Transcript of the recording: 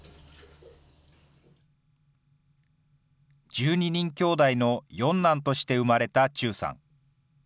１２人きょうだいの四男として生まれた忠さん。